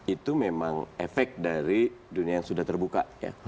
itu memang efek dari dunia yang sudah terbuka